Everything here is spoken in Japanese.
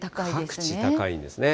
各地、高いんですね。